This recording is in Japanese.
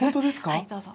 はいどうぞ。